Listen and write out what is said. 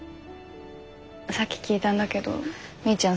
さっき聞いたんだけどみーちゃん